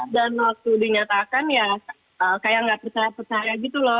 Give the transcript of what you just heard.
dan waktu dinyatakan ya kayak gak percaya percaya gitu loh